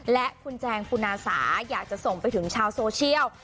และคุณแจงปุนาสาอยากจะส่งไปถึงชาวโซเชียล